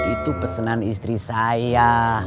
itu pesenan istri saya